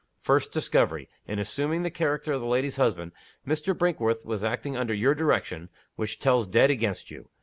First discovery: In assuming the character of the lady's husband Mr. Brinkworth was acting under your directions which tells dead against _you.